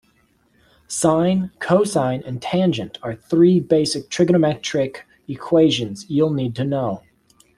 Sine, cosine and tangent are three basic trigonometric equations you'll need to know.